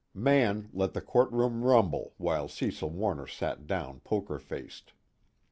Mann let the courtroom rumble while Cecil Warner sat down poker faced.